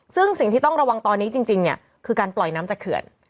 ซึ่งสิ่งที่ต้องระวังตอนนี้จริงเนี่ยคือการปล่อยน้ำจากเขื่อน